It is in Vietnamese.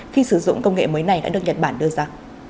khi sử dụng công nghệ mới này đã được nhật bản đưa ra